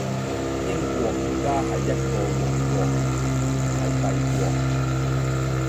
英國而家係一個王國，唔係帝國